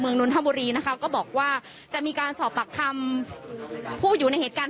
นนทบุรีนะคะก็บอกว่าจะมีการสอบปากคำผู้อยู่ในเหตุการณ์